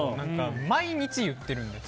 毎日、言ってるんです。